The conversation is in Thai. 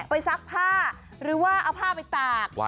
ซักผ้าหรือว่าเอาผ้าไปตาก